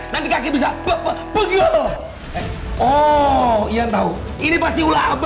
nanti kaki bisa beg beg beg beg strangely lalu